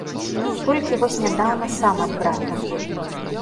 Толькі вось нядаўна сам ад брата.